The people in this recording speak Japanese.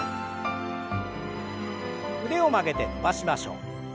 腕を曲げて伸ばしましょう。